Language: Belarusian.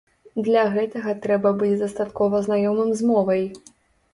Для гэтага трэба быць дастаткова знаёмым з мовай.